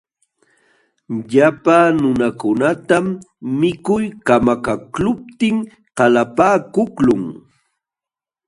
Llapa nunakunatam mikuy kamakaqluptin qalapaakuqlun.